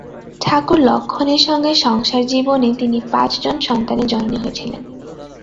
ঠাকুর লক্ষ্মণের সঙ্গে সংসার জীবনে তিনি পাঁচ জন সন্তানের জননী ছিলেন।